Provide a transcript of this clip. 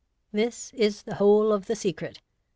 This is the whole of the secret.